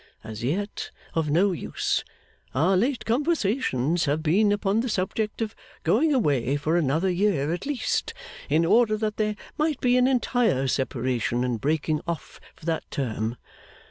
As yet, of no use. Our late conversations have been upon the subject of going away for another year at least, in order that there might be an entire separation and breaking off for that term.